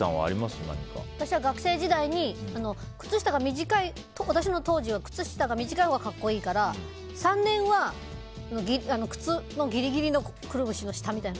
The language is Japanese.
私は学生時代に私は当時、靴下が短いほうが格好いいから３年は靴のギリギリのくるぶしの下みたいな。